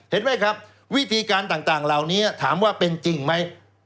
เห็นไหมครับวิธีการต่างเหล่านี้ถามว่าเป็นจริงไหม